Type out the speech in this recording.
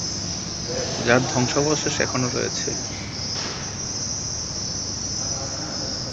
যার ধ্বংসাবশেষ এখনো রয়েছে।